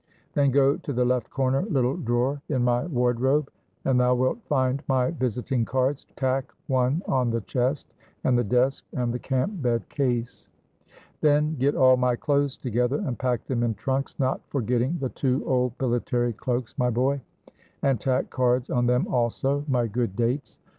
Then go to the left corner little drawer in my wardrobe, and thou wilt find my visiting cards. Tack one on the chest, and the desk, and the camp bed case. Then get all my clothes together, and pack them in trunks (not forgetting the two old military cloaks, my boy), and tack cards on them also, my good Dates.